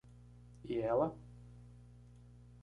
E ela?